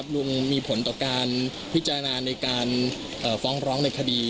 ลุงมีผลต่อการพิจารณาในการฟ้องร้องในคดี